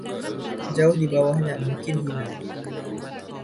Jauh di bawahnya mungkin hina.